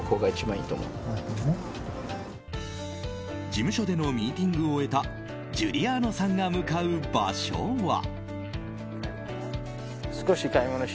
事務所でのミーティングを終えたジュリアーノさんが向かう場所は。